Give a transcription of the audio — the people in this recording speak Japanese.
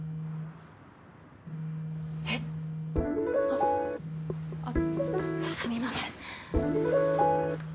あっあっすみません。